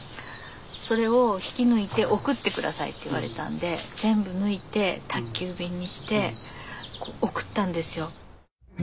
それを引き抜いて送って下さいって言われたんで全部抜いて宅急便にして送ったんですよ。